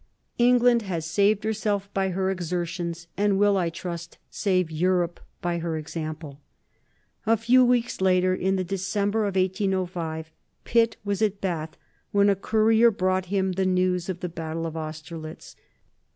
"England has saved herself by her exertions, and will, I trust, save Europe by her example." A few weeks later, in the December of 1805, Pitt was at Bath, when a courier brought him the news of the battle of Austerlitz.